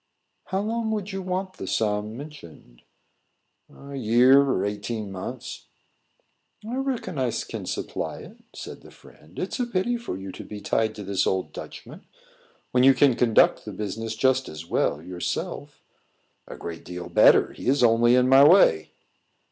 "How long would you want the sum mentioned?" "A year or eighteen months." "I reckon I can supply it," said the friend. "It's a pity for you to be tied to this old Dutchman, when you can conduct the business just as well yourself." "A great deal better; he is only in my way."